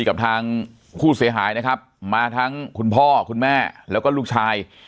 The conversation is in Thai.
กับทางผู้เสียหายนะครับมาทั้งคุณพ่อคุณแม่แล้วก็ลูกชาย